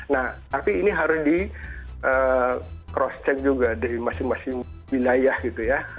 nah tapi ini harus di cross check juga dari masing masing wilayah gitu ya